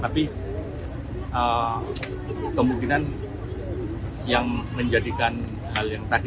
tapi kemungkinan yang menjadikan hal yang tadi